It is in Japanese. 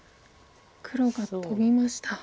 黒がトビました。